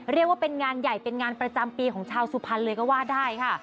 เรียกว่าเป็นงานใหญ่เป็นงานประจำปีของชาวสุพรรณเลยก็ว่าได้ค่ะ